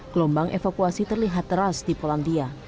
kelombang evakuasi terlihat ras di polandia